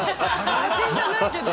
写真じゃないけど。